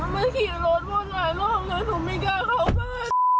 มันขี่รถหมดหลายร่องเลยผมไม่กล้าเข้าบ้าน